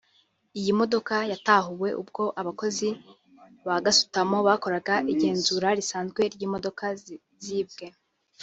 Iyi modoka yatahuwe ubwo abakozi ba gasutamo bakoraga igenzura risanzwe ry’imodoka zibwe